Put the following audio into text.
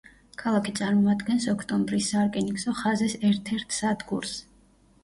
ქალაქი წარმოადგენს ოქტომბრის სარკინიგზო ხაზის ერთ-ერთ სადგურს.